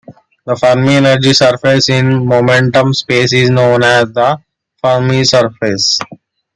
The Fermi energy surface in momentum space is known as the Fermi surface.